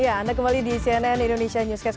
ya anda kembali di cnn indonesia newscast